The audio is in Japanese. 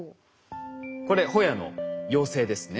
これホヤの幼生ですね。